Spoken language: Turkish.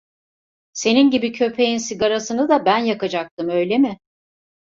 Senin gibi köpeğin sigarasını da ben yakacaktım öyle mi?